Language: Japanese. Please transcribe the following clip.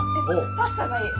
パスタがいい！